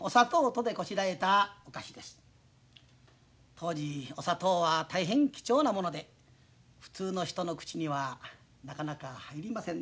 当時お砂糖は大変貴重なもので普通の人の口にはなかなか入りませんでした。